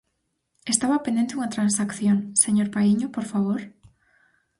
Estaba pendente unha transacción, ¿señor Paíño, por favor?